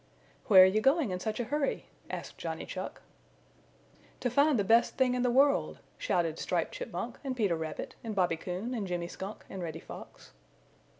"Where are you going in such a hurry?" asked Johnny Chuck. "To find the Best Thing in the World," shouted Striped Chipmunk and Peter Rabbit and Bobby Coon and Jimmy Skunk and Reddy Fox.